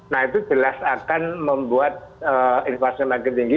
nah itu jelas akan membuat inflasi makin tinggi